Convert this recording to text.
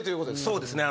そうですね。